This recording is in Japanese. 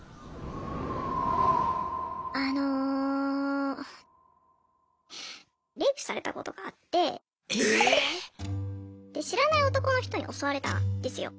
あのレイプされたことがあって。知らない男の人に襲われたんですよ。